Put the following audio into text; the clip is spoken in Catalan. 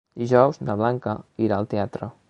Dijous na Blanca irà al teatre.